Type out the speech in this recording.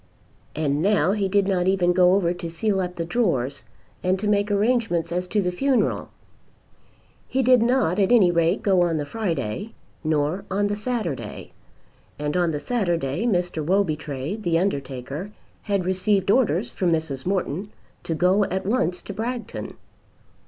And now he did not even go over to seal up the drawers and to make arrangements as to the funeral. He did not at any rate go on the Friday, nor on the Saturday. And on the Saturday Mr. Wobytrade, the undertaker, had received orders from Mrs. Morton to go at once to Bragton.